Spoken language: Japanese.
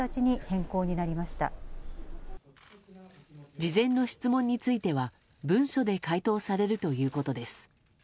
事前の質問については文書で回答されるということです。